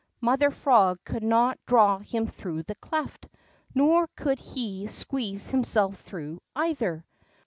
Mother Frog could not draw him through the cleft, nor could he squeeze himself through, either.